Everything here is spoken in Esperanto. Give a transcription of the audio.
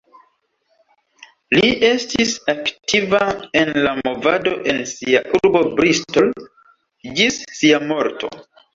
Li estis aktiva en la movado en sia urbo Bristol, ĝis sia morto.